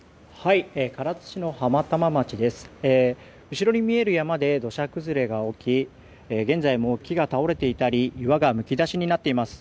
後ろに見える山で土砂崩れが起き現在も木が倒れていたり岩がむき出しになっています。